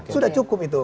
sudah cukup itu